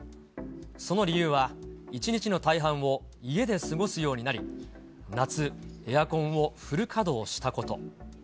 その理由は、一日の大半を家で過ごすようになり、夏、エアコンをフル稼働したこと。